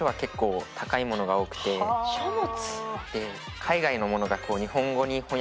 書物。